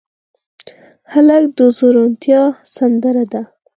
هلک د زړورتیا سندره ده.